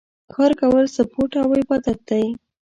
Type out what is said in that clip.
کار کول سپورټ او عبادت دی